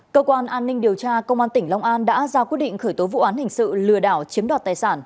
cơ quan an ninh điều tra công an tỉnh long an đã ra quyết định khởi tố vụ án hình sự lừa đảo chiếm đoạt tài sản